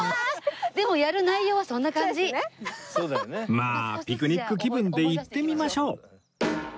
まあピクニック気分で行ってみましょう